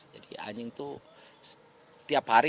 jadi anjing itu tiap hari